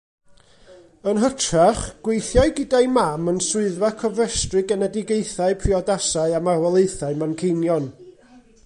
Yn hytrach, gweithiai gyda'i mam yn swyddfa cofrestru genedigaethau, priodasau a marwolaethau Manceinion.